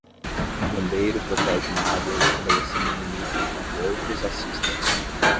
Um bombeiro protege uma área estabelecendo um limite enquanto outros assistem.